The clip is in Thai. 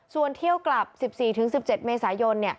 ส่วนเที่ยวกลับ๑๔๑๗เมษายน